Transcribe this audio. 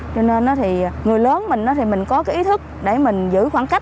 cho nên thì người lớn mình thì mình có cái ý thức để mình giữ khoảng cách